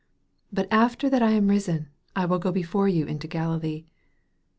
28 But after that I am risen, I will go before you into Galilee.